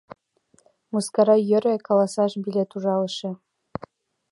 — Мыскара йӧре каласыш билет ужалыше.